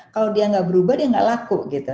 kalau dia gak berubah dia gak laku gitu